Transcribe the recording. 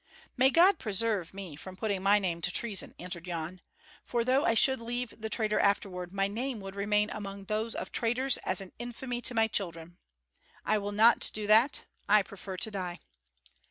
"May God preserve me from putting my name to treason," answered Yan; "for though I should leave the traitor afterward, my name would remain among those of traitors as an infamy to my children. I will not do that, I prefer to die."